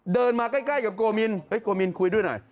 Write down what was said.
เดินมาใกล้กับโกมินโกมินคุยด้วยหน่อย